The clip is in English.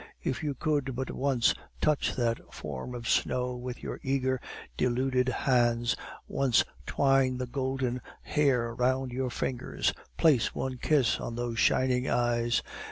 If you could but once touch that form of snow with your eager, deluded hands, once twine the golden hair round your fingers, place one kiss on those shining eyes!